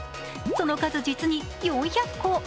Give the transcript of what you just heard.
その数、実に４００個。